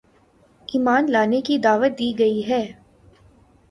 ایمان لانے کی دعوت دی گئی ہے